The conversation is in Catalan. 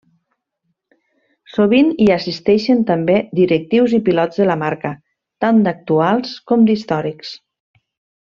Sovint hi assisteixen també directius i pilots de la marca, tant d'actuals com d'històrics.